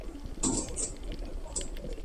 ¬ پنډ ته مه گوره، ايمان تې گوره.